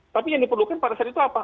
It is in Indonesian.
tapi yang diperlukan pada saat itu apa